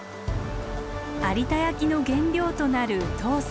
有田焼の原料となる陶石。